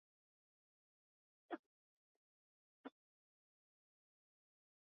Racing Hall of Fame inductee Swaps.